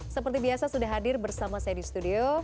seperti biasa sudah hadir bersama saya di studio